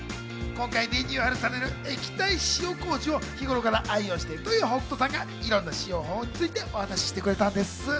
今回リニューアルされる、液体塩こうじを日頃から愛用しているという北斗さんがいろんな使用方法についてお話してくれたんです。